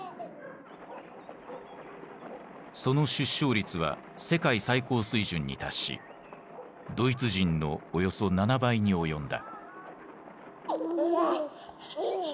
その出生率は世界最高水準に達しドイツ人のおよそ７倍に及んだ。